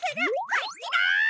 こっちだ！